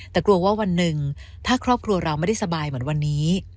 แต่กลัวว่าวันหนึ่งถ้าครอบครัวเราไม่ได้สบายเหมือนวันนี้